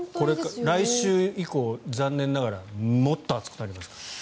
来週以降、残念ながらもっと暑くなりますから。